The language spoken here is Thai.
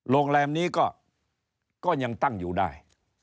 โรงแรมนี้ก็ยังตั้งอยู่ได้